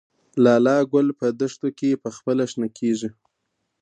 لاله ګل په دښتو کې پخپله شنه کیږي؟